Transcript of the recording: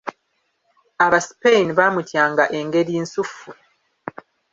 Abaspain baamutyanga engeri nsuffu.